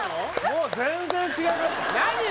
もう全然違いました何！？